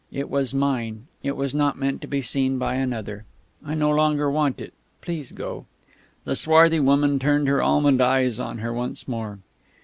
It was mine. It was not meant to be seen by another. I no longer want it. Please go." The swarthy woman turned her almond eyes on her once more.